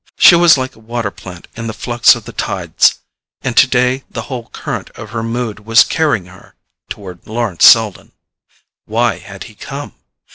She was like a water plant in the flux of the tides, and today the whole current of her mood was carrying her toward Lawrence Selden. Why had he come?